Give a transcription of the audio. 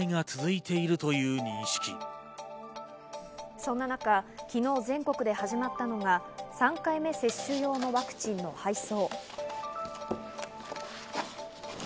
そんな中、昨日、全国で始まったのが３回目接種用のワクチンの配送。